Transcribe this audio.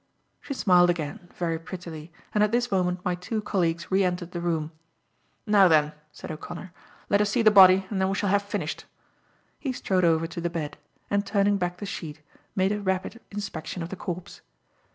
She smiled again, very prettily, and at this moment my two colleagues re entered the room. "Now, then," said O'Connor, "let us see the body and then we shall have finished." He strode over to the bed, and, turning back the sheet, made a rapid inspection of the corpse.